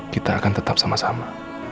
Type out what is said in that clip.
kita akan tetap sama sama